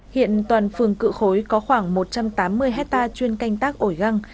hiện toàn phường cự khối có khoảng một trăm tám mươi hectare chuyên canh tác ổi găng